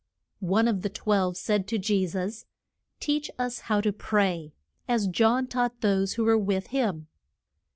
One of the twelve said to Je sus, Teach us how to pray, as John taught those who were with him.